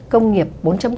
công nghiệp bốn